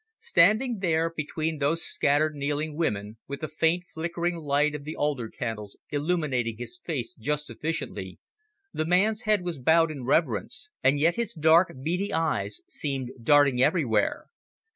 Standing there, behind those scattered kneeling women, with the faint, flickering light of the altar candles illuminating his face just sufficiently, the man's head was bowed in reverence and yet his dark, beady eyes seemed darting everywhere.